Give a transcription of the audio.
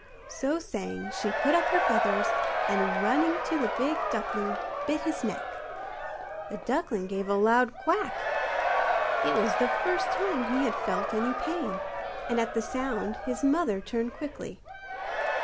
So saying she put up her feathers, and running to the big duckling bit his neck. The duckling gave a loud quack; it was the first time he had felt any pain, and at the sound his mother turned quickly.